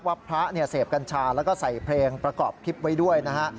พระเนี่ยเสพกัญชาแล้วก็ใส่เพลงประกอบคลิปไว้ด้วยนะฮะ